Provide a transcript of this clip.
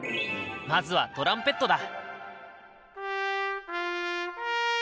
まずはトランペットだ！